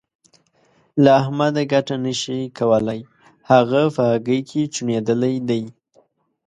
له احمده ګټه نه شې کولای؛ هغه په هګۍ کې چوڼېدلی دی.